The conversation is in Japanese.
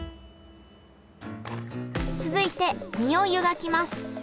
続いて身を湯がきます。